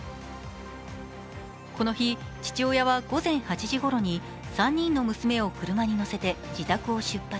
この日、父親は午前８時ごろに３人の娘を車に乗せて自宅を出発。